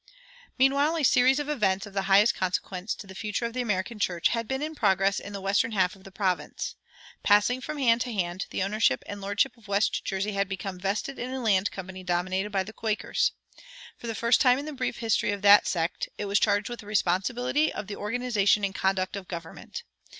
Meanwhile a series of events of the highest consequence to the future of the American church had been in progress in the western half of the province. Passing from hand to hand, the ownership and lordship of West Jersey had become vested in a land company dominated by Quakers. For the first time in the brief history of that sect, it was charged with the responsibility of the organization and conduct of government.